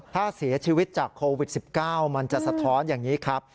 ถ้าเสียชีวิตจากโควิด๑๙มันจะสะท้อนอย่างนี้ครับ